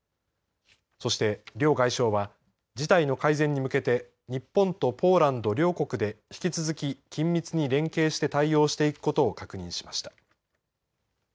そして、両外相は事態の改善に向けて日本とポーランド両国で引き続き緊密に連携して対応していくことを確認しました。